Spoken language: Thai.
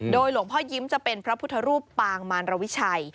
หลวงพ่อยิ้มจะเป็นพระพุทธรูปปางมารวิชัย